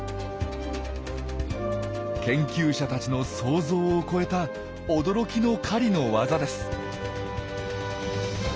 研究者たちの想像を超えた驚きの狩りのワザです。